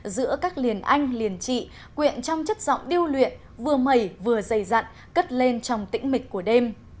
giữa các liền anh liền trị quyện trong chất giọng điêu luyện vừa mẩy vừa dày dặn cất lên trong tĩnh mịch của đêm